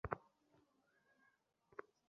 কিন্তু আপনাদের আর আমার মধ্যে পার্থক্য আছে।